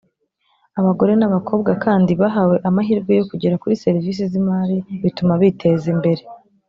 Abagore n’abakobwa kandi bahawe amahirwe yo kugera kuri serivisi z’imari bituma biteza imbere